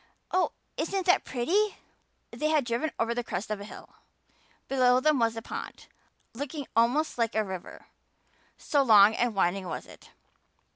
Oh, isn't that pretty!" They had driven over the crest of a hill. Below them was a pond, looking almost like a river so long and winding was it.